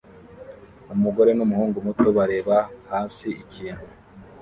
Umugore n'umuhungu muto bareba hasi ikintu